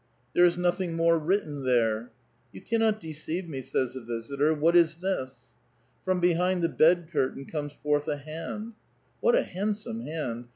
There is nothing more written there." ^,.^^ You cannot deceive me," says the visitor. " What is ". ^^Tom behind the bed curtain comes forth a hand ; what a . ^^clsome hand